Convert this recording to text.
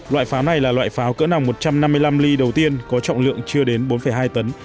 loại pháo này là loại pháo cỡ nòng một trăm năm mươi năm ly đầu tiên có trọng lượng chưa đến bốn hai tấn